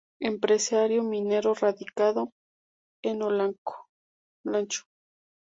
Empresario minero radicado en Olancho.